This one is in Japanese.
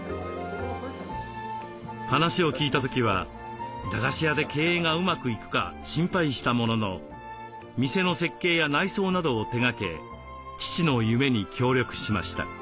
話を聞いた時は駄菓子屋で経営がうまくいくか心配したものの店の設計や内装などを手がけ父の夢に協力しました。